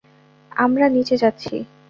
আমরা নিচে যাচ্ছি।